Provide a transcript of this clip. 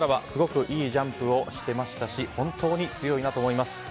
すごくいいジャンプをしてましたし本当に強いなと思います。